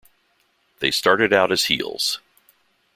They started out as heels.